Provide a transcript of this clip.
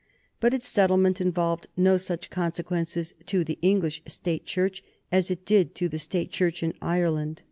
But its settlement involved no such consequences to the English State Church as it did to the State Church in Ireland.